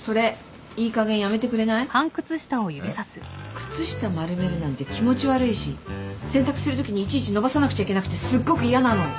靴下丸めるなんて気持ち悪いし洗濯するときにいちいち伸ばさなくちゃいけなくてすっごく嫌なの。